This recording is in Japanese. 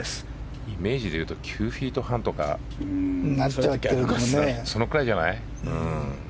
イメージでいうと９フィート半とかそのくらいじゃない。